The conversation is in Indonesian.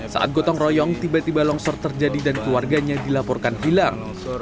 saat gotong royong tiba tiba longsor terjadi dan keluarganya dilaporkan hilang